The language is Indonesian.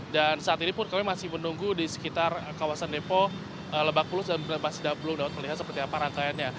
dan saat ini pun kami masih menunggu di sekitar kawasan depo lebak bulus dan masih belum dapat melihat seperti apa rangkaiannya